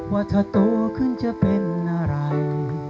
ว่าถ้าโตขึ้นจะเป็นอะไร